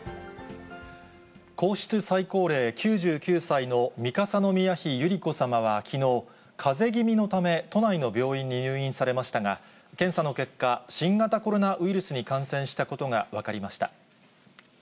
皇室最高齢、９９歳の三笠宮妃百合子さまはきのう、かぜ気味のため、都内の病院に入院されましたが、検査の結果、新型コロナウイルスに感染したことが分かりました。